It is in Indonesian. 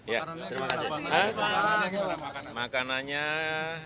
ya terima kasih